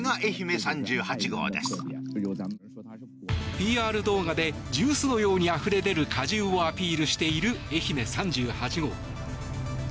ＰＲ動画でジュースのようにあふれ出る果汁をアピールしている愛媛３８号。